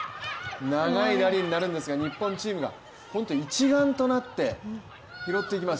長いラリーになるんですが日本チームが本当に一丸となって拾っていきます。